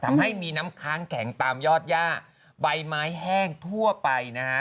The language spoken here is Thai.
ทำให้มีน้ำค้างแข็งตามยอดย่าใบไม้แห้งทั่วไปนะฮะ